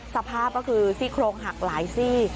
สภาพก็คือซี่โครงหักหลายซี่